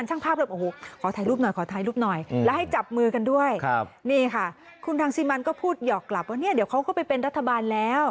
แล้วก็จะยุบสภาทแหลงก็พูดลักษณะเดียวกัน